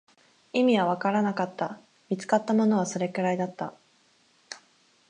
意味はわからなかった、見つかったものはそれくらいだった